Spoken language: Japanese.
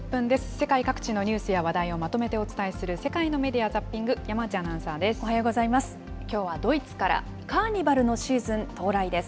世界各地のニュースや話題をまとめてお伝えする、世界のメディア・ザッピング、山内アナウンサーです。